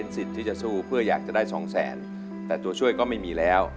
สิทธิ์ที่จะสู้เพื่ออยากจะได้๒แสนแต่ตัวช่วยก็ไม่มีแล้ว